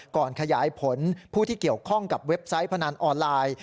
ก่อนขยายผลผู้ที่เกี่ยวข้องกับเว็บไซต์พนันออนไลน์